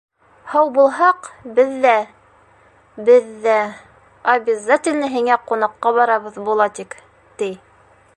— Һау булһаҡ, беҙ ҙә, беҙ ҙә... обязательно һиңә ҡунаҡҡа барабыҙ, Булатик, — ти.